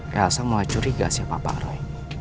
ya asal mulai curiga siapa pak roy